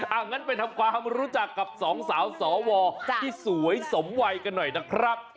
อย่างนั้นไปทำความรู้จักกับสองสาวสวที่สวยสมวัยกันหน่อยนะครับ